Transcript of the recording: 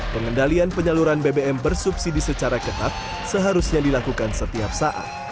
pengendalian penyaluran bbm bersubsidi secara ketat seharusnya dilakukan setiap saat